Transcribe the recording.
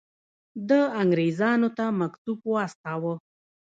ده انګرېزانو ته مکتوب واستاوه.